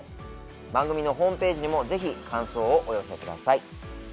番組のホームページにも是非感想をお寄せください。